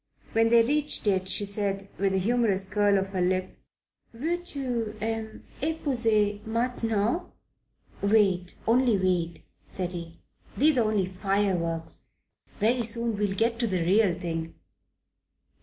When they reached it she said, with a humorous curl of the lip, "Veux tu m'epouser maintenant?" "Wait, only wait," said he. "These are only fireworks. Very soon we'll get to the real thing."